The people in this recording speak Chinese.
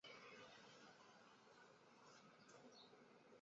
圣巴泰勒米领地委员会是法国海外行政区域圣巴泰勒米的立法机关。